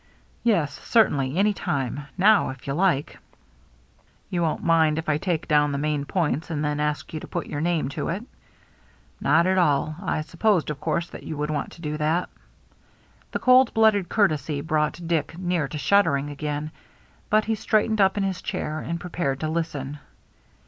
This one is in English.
"Yes, certainly, any time, — now, if you like." " You won't mind if I take down the main points and then ask you to put your name to it?" " Not at all. I supposed of course you would want to do that." This cold blooded courtesy brought Dick near to shuddering again. But he straightened up in his chair and prepared to listen.